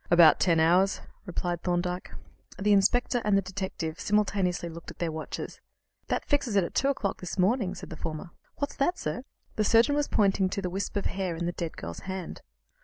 "About ten hours," replied Thorndyke. The inspector and the detective simultaneously looked at their watches. "That fixes it at two o'clock this morning," said the former. "What's that, sir?" The surgeon was pointing to the wisp of hair in the dead girl's hand.